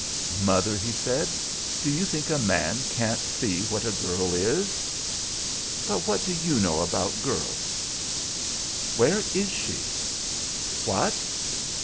"Mother," he said, "do you think a man can't see what a girl is?" "But what do you know about girls?" "Where is she?" "What!"